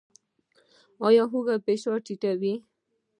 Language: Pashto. ایا هوږه فشار ټیټوي؟